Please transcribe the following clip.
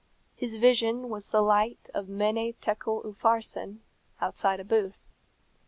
His vision was the light of Mene, Tekel, Upharsin, outside a booth.